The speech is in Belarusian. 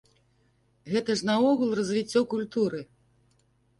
Гэта ж наогул развіццё культуры!